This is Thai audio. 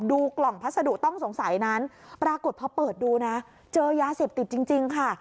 ดูกล่องพัสดุต้องสงสัยนั้นปรากฏพอเปิดดูนะเจอยาเสพติดจริงค่ะ